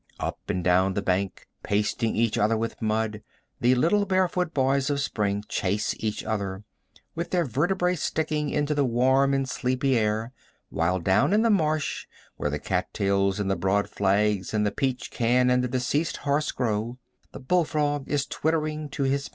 Up and down the bank, pasting each other with mud, the little barefoot boys of spring chase each other, with their vertebrae sticking into the warm and sleepy air, while down in the marsh, where the cat tails and the broad flags and the peach can and the deceased horse grow, the bull frog is twittering to his mate.